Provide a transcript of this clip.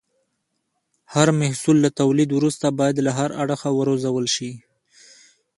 هر محصول له تولید وروسته باید له هر اړخه وارزول شي.